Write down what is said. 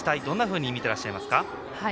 どんなふうに見ていらっしゃいますか？